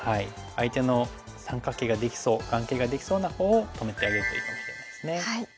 相手の三角形ができそう眼形ができそうなほうを止めてあげるといいかもしれないですね。